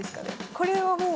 これはもう。